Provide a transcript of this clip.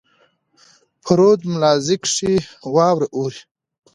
په رود ملازۍ کښي واوره اوري.